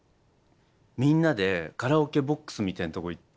みんなでカラオケボックスみたいなとこ行って。